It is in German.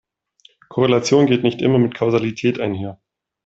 Korrelation geht nicht immer mit Kausalität einher.